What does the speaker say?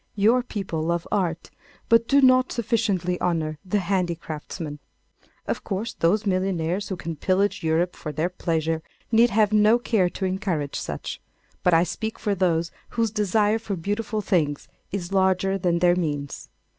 Your people love art but do not sufficiently honour the handicraftsman. Of course, those millionaires who can pillage Europe for their pleasure need have no care to encourage such; but I speak for those whose desire for beautiful things is larger than their means.